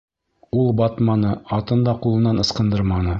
Ул батманы, атын да ҡулынан ысҡындырманы.